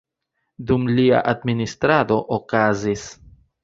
Dum lia administrado okazis;